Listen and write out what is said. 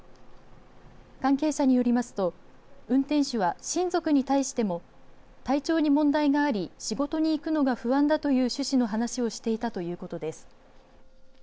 関係者によりますと運転手は親族に対しても体調に問題があり仕事に行くのが不安だという趣旨の話をしていたということです。